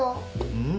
うん？